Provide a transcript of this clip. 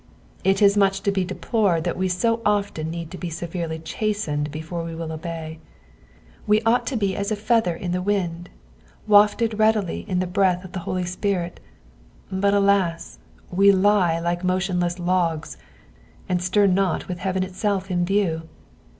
'" It ia much to be deplored that we so often need to be severely chastened before we will obey. We ought to be as a feather in the wind, wafted readily in the bresth of the Holy Spirit, but alas ! we lie like motionless logs, nnd stir not with heaven itself in view.